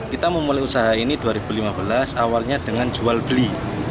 kita memulai usaha ini dua ribu lima belas awalnya dengan jual beli